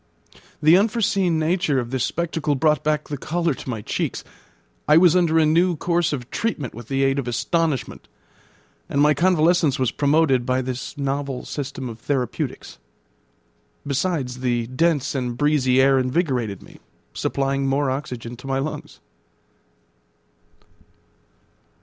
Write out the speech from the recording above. The unforeseen nature of this spectacle brought back the colour to my cheeks. I was under a new course of treatment with the aid of astonishment, and my convalescence was promoted by this novel system of therapeutics; besides, the dense and breezy air invigorated me, supplying more oxygen to my lungs.